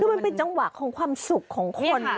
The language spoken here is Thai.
คือมันเป็นจังหวะของความสุขของคน